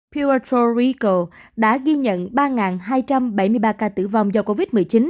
puerto rico đã ghi nhận ba hai trăm bảy mươi ba ca tử vong do covid một mươi chín